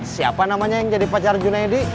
siapa namanya yang jadi pacar junaidi